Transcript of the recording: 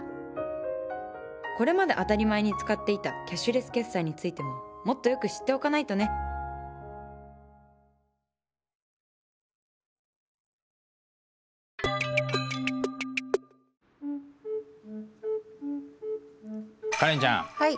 これまで当たり前に使っていたキャッシュレス決済についてももっとよく知っておかないとねカレンちゃん。はい。